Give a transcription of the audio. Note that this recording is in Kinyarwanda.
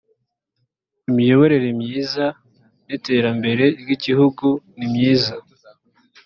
imiyoborere myiza n ‘iterambere ry ‘igihugu nimyiza.